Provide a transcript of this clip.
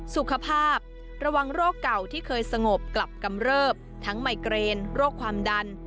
สุขภาพระวังโรคเก่าที่เคยสงบกลับกำเริบทั้งไมเกรนโรคความดัน